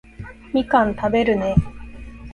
みかん食べるね